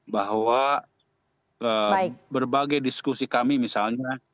bahwa berbagai diskusi kami misalnya